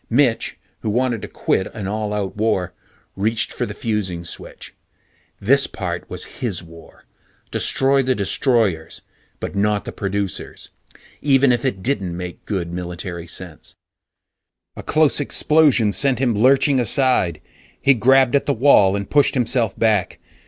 Mitch, who wanted to quit an all out war, reached for the fusing switch. This part was his war; destroy the destroyers, but not the producers. Even if it didn't make good military sense A close explosion sent him lurching aside. He grabbed at the wall and pushed himself back.